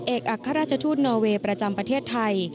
อัครราชทูตนอเวย์ประจำประเทศไทย